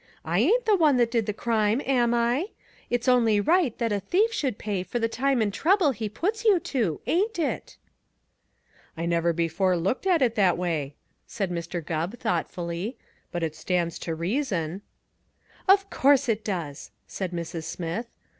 I ain't the one that did the crime, am I? It's only right that a thief should pay for the time and trouble he puts you to, ain't it?" "I never before looked at it that way," said Mr. Gubb thoughtfully, "but it stands to reason." "Of course it does!" said Mrs. Smith.